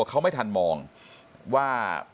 ขอบคุณค่ะ